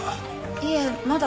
いえまだ。